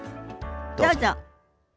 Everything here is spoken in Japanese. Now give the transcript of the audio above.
どうぞ。